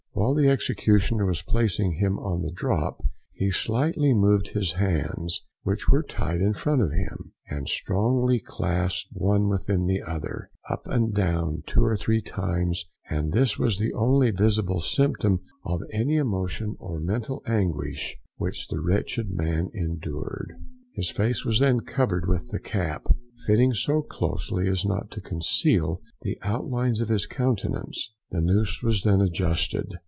While the executioner was placing him on the drop he slightly moved his hands (which were tied in front of him, and strongly clasped one within the other) up and down two or three times; and this was the only visible symptom of any emotion or mental anguish which the wretched man endured. His face was then covered with the cap, fitting so closely as not to conceal the outlines of his countenance, the noose was then adjusted.